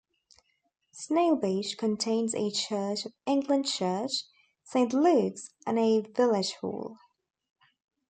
Snailbeach contains a Church of England church, Saint Luke's, and a village hall.